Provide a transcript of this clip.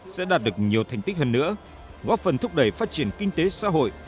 sẽ đạt được nhiều thành tích hơn nữa góp phần thúc đẩy phát triển kinh tế xã hội